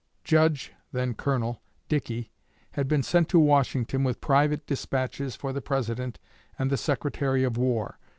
Judge (then Colonel) Dickey had been sent to Washington with private despatches for the President and the Secretary of War.